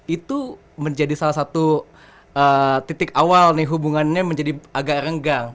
itu menjadi salah satu titik awal nih hubungannya menjadi agak renggang